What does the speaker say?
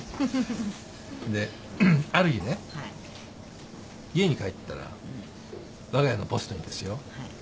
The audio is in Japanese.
である日ね家に帰ったらわが家のポストにですよ